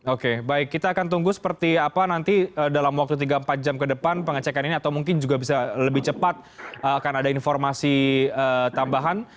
oke baik kita akan tunggu seperti apa nanti dalam waktu tiga empat jam ke depan pengecekan ini atau mungkin juga bisa lebih cepat akan ada informasi tambahan